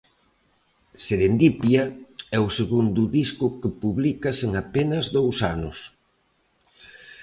'Serendipia' é o segundo disco que publicas en apenas dous anos.